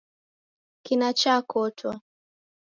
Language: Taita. Kina chakotwa